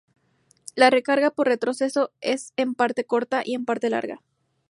La recarga por retroceso es en parte corta y en parte larga.